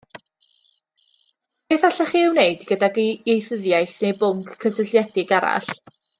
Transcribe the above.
Beth allech chi ei wneud gydag ieithyddiaeth neu bwnc cysylltiedig arall?